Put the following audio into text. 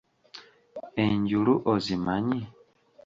Enjulu ozimanyi?